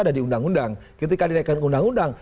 ada di undang undang ketika dinaikin undang undang